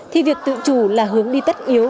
thì việc tự chủ là hướng đi tất yếu